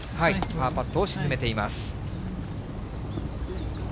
パーパットを沈めています。